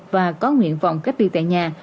và có nguyện vọng cách ly tại nhà